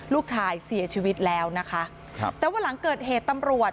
ลูกชายเสียชีวิตแล้วนะคะครับแต่ว่าหลังเกิดเหตุตำรวจ